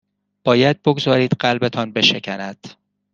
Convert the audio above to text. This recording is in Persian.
باید بگذارید قلبتان بشکند